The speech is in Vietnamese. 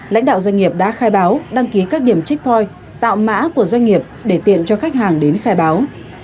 lãnh đạo doanh nghiệp đã khai báo đăng ký các điểm trích voi tạo mã của doanh nghiệp để tiện cho khách hàng đến khai báo